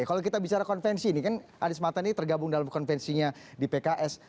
kalau kita bicara konvensi ini kan anies mata ini tergabung dalam konvensinya di pks